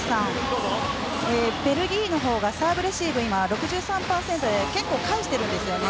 ベルギーのほうがサーブレシーブは今６３％で結構返しているんですね。